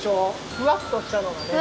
ふわっとしたのがね。